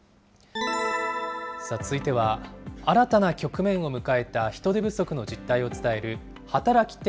続いては、新たな局面を迎えた人手不足の実態を伝える働き手